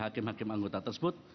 hakim hakim anggota tersebut